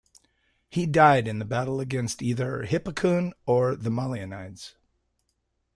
He died in the battle against either Hippocoon or the Molionides.